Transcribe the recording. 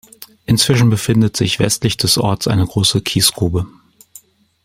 Inzwischen befindet sich westlich des Orts eine große Kiesgrube.